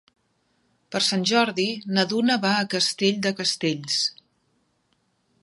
Per Sant Jordi na Duna va a Castell de Castells.